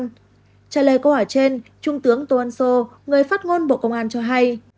trả lời câu hỏi trên trung tướng tô ân sô người phát ngôn bộ công an cho hay